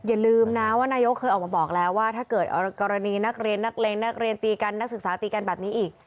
อย่าลืมนะว่านายกเคยออกมาบอกแล้วว่าถ้าเกิดกรณีนักเรียนนักเลงนักเรียนตีกันนักศึกษาตีกันแบบนี้อีก